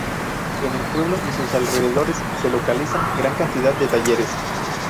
En el pueblo y sus alrededores se localizan gran cantidad de talleres.